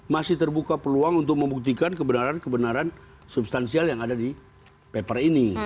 masih terbuka peluang untuk membuktikan kebenaran kebenaran substansial yang ada di paper ini